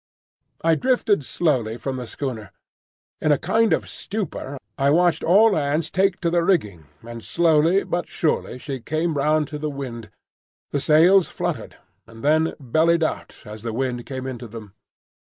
I drifted slowly from the schooner. In a kind of stupor I watched all hands take to the rigging, and slowly but surely she came round to the wind; the sails fluttered, and then bellied out as the wind came into them.